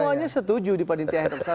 semuanya setuju di panitia n satu ratus satu